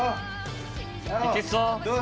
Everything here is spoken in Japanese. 行けそう？